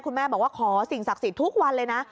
แม่บอกว่าขอสิ่งศักดิ์สิทธิ์ทุกวันเลยนะ